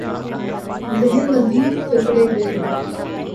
ذہن مزید جکڑے گئے۔